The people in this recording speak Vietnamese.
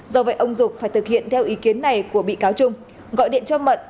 do vậy ông dục phải thực hiện theo ý kiến này của bị cáo trung gọi điện cho mận